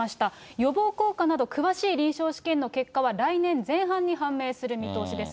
予防効果など詳しい臨床試験の結果は、来年前半に判明する見通しです。